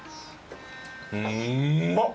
うまっ！